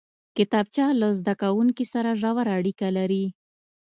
کتابچه له زده کوونکي سره ژوره اړیکه لري